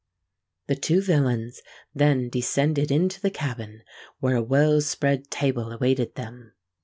The two villains then descended into the cabin, where a well spread table awaited them.